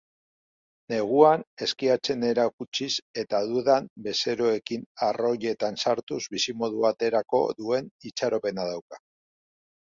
Neguan eskiatzen erakutsiz eta udan bezeroekin arroiletan sartuz bizimodua aterako duen itxaropena dauka.